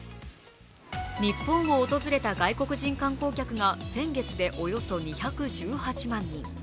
日本を訪れた外国人観光客が先月でおよそ２１８万人。